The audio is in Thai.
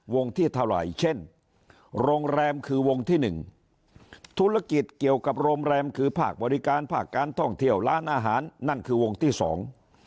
ที่เท่าไหร่เช่นโรงแรมคือวงที่หนึ่งธุรกิจเกี่ยวกับโรงแรมคือภาคบริการภาคการท่องเที่ยวร้านอาหารนั่นคือวงที่สอง